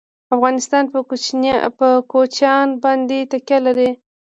افغانستان په کوچیان باندې تکیه لري.